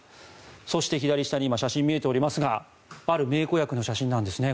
そして今、写真が見えておりますがある名子役の写真なんですね。